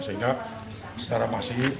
sehingga secara masih